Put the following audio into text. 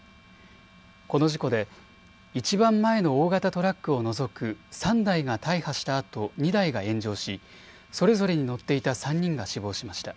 この事故でいちばん前の大型トラックを除く３台が大破したあと２台が炎上しそれぞれに乗っていた３人が死亡しました。